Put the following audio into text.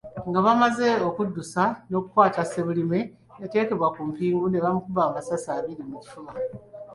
Nga bamaze okuddusa n'okukwata Ssebulime, yateekebwa ku mpingu ne bamukuba amasasi abiri mu kifuba